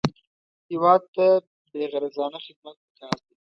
هېواد ته بېغرضانه خدمت پکار دی